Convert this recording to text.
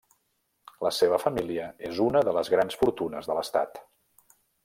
La seva família és una de les grans fortunes de l'Estat.